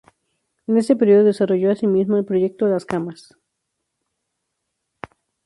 En este periodo desarrolló asimismo el proyecto "Las camas".